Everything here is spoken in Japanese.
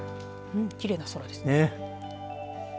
きれいな空ですね。ね。